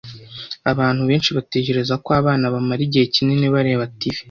Abantu benshi batekereza ko abana bamara igihe kinini bareba TV.